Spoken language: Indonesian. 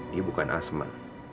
dia bukan asma